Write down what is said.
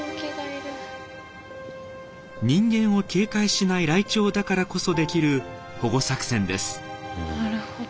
人間を警戒しないライチョウだからこそできる保護作戦です。